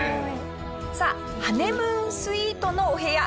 さあハネムーンスイートのお部屋